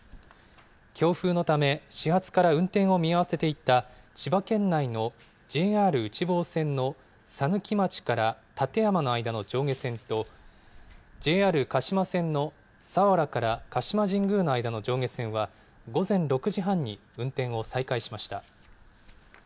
強風のため、始発から運転を見合わせていた千葉県内のＪＲ内房線の佐貫町から館山の間の上下線と、ＪＲ鹿島線の佐原から鹿島神宮の間の上下線は午前６時半に運転を再開しました。